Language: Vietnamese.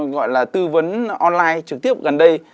gọi là tư vấn online trực tiếp gần đây